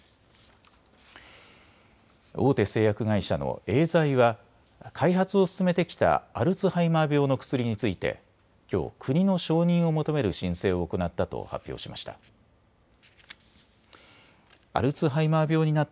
大手製薬会社のエーザイは開発を進めてきたアルツハイマー病の薬についてきょう国の承認を求める申請を行ったと発表しました。